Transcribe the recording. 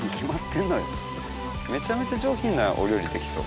めちゃめちゃ上品なお料理できそう。